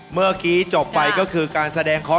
เมื่อกี้จบไปก็คือการแสดงข้อ